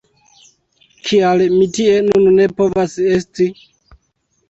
Kial mi tie nun ne povas esti?